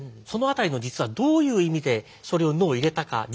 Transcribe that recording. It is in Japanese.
その辺りの実はどういう意味でそれを「の」を入れたか。